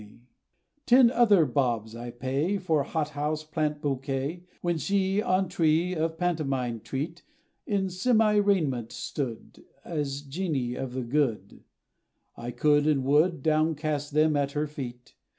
[Decoration] Ten other bobs, I pay, For hothouse plant bouquet, When she, On tree, Of pantomimic treat In semi raiment stood, As geni of the good, I could, And would, Down cast them at her feet.